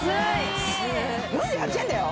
４８円だよ